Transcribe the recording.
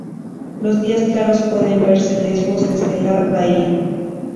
Los días claros puede verse Lesbos desde la bahía.